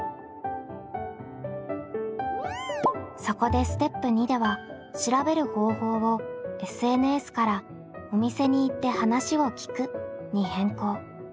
そこでステップ２では調べる方法を「ＳＮＳ」から「お店に行って話を聞く」に変更。